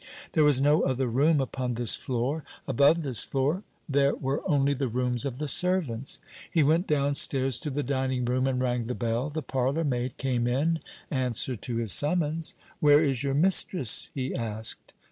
There was no other room upon this floor. Above this floor there were only the rooms of the servants. He went downstairs to the dining room and rang the bell The parlour maid came in answer to his summons. "Where is your mistress?" he asked.